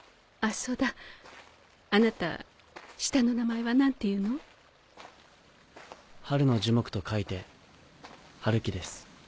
そうだあなた下の名前は何て「春の樹木」と書いて春樹です